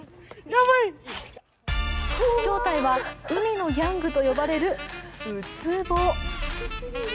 正体は海のギャングと呼ばれるウツボ。